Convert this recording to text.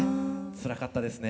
つらかったですね。